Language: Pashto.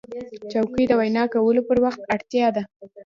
چوکۍ د وینا کولو پر وخت اړتیا ده.